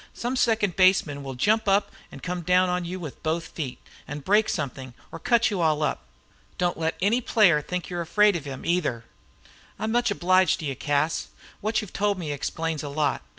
Some second baseman will jump up and come down on you with both feet, and break something, or cut you all up. Don't let any player think you are afraid of him, either." "I'm much obliged to you, Cas. What you've told me explains a lot.